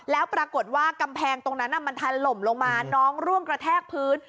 แล้วปรากฏว่ากำแพงตรงนั้นมันทันลมลงมาน้องร่วงกระแทกพื้น